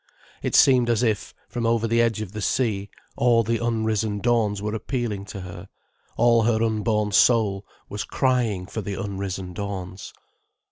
It seemed as if, from over the edge of the sea, all the unrisen dawns were appealing to her, all her unborn soul was crying for the unrisen dawns.